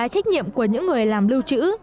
trách nhiệm của những người làm lưu trữ